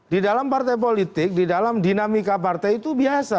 di dalam partai politik di dalam dinamika partai itu biasa